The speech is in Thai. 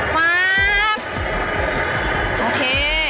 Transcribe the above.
ยังแล้ว๑